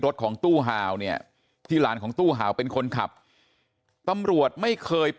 รถของตู้ห่าวเนี่ยที่หลานของตู้ห่าวเป็นคนขับตำรวจไม่เคยไป